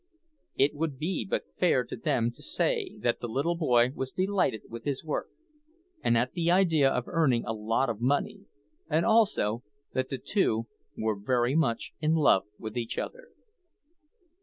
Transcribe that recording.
It would be but fair to them to say that the little boy was delighted with his work, and at the idea of earning a lot of money; and also that the two were very much in love with each other.